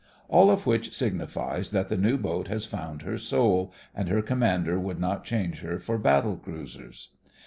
All of which signifies that the new boat has found her soul, and her com mander would not change her for battle cruisers.